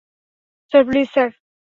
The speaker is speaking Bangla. Sir, please, sir.